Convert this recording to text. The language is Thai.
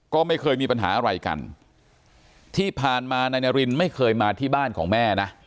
ก็ไม่เคยมีปัญหาอะไรกันที่ผ่านมานายนารินไม่เคยมาที่บ้านของแม่นะ